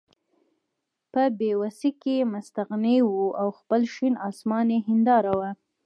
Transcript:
په بې وسۍ کې مستغني وو او خپل شین اسمان یې هېنداره وه.